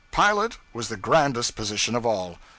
Pilot was the grandest position of all.